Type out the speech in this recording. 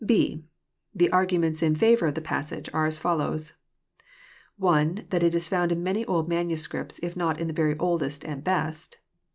'B ] The arguments in favour of the passage are as follows t — (1) That it is found in many old manuscripts, if not in the very oldest and best.